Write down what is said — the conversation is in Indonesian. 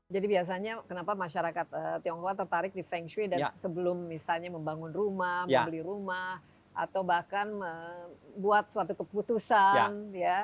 jadi biasanya kenapa masyarakat tionghoa tertarik di feng shui dan sebelum misalnya membangun rumah membeli rumah atau bahkan membuat suatu keputusan